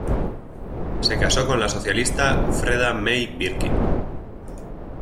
Se casó con la socialista Freda May Birkin.